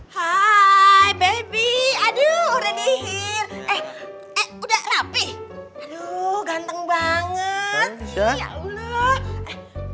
hai baby aduh udah dihir eh udah rapih aduh ganteng banget ya allah